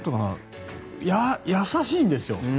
優しいんですよ。